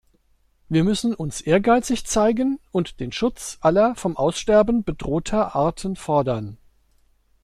Wir müssen uns ehrgeizig zeigen und den Schutz aller vom Aussterben bedrohter Arten fordern.